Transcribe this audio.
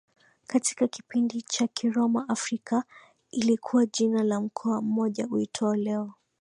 katika kipindi cha Kiroma Afrika ilikuwa jina la mkoa mmoja uitwao leo